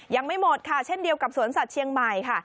ยังไม่หมดค่ะเช่นเดียวกับสวนสัตว์เชียงใหม่ค่ะ